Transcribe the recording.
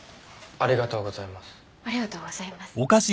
ありがとうございます。